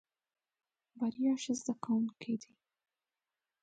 بريا ښه زده کوونکی دی.